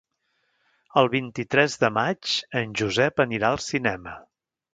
El vint-i-tres de maig en Josep anirà al cinema.